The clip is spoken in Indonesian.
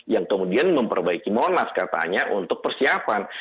yang kemudian memperbaiki monas katanya untuk persiapan